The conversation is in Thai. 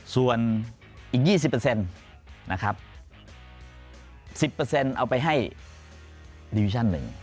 ส่วนอีก๒๐นะครับ๑๐เอาไปให้ดิวิชั่นหนึ่ง